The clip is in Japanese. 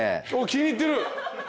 気に入ってる！